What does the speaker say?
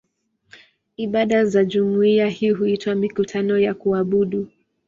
Ibada za jumuiya hii huitwa "mikutano ya kuabudu".